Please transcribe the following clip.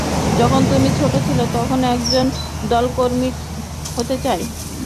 যখন তুমি ছোট ছিলে তখন একজন দমকলকর্মী হতে চাই?